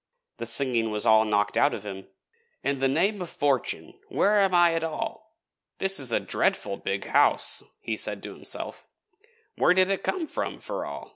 The singing was all knocked out of him. 'In the name of Fortune where am I at all? This is a dreadful big house,' he said to himself; 'where did it come from, for all?